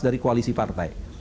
dari koalisi partai